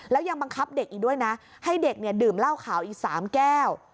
แล้วยังบังคับเด็กอีกด้วยนะให้เด็กเนี่ยดื่มเหล้าขาวอีก๓แก้ว